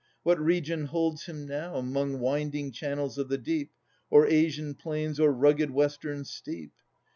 What region holds him now, 'Mong winding channels of the deep, Or Asian plains, or rugged Western steep?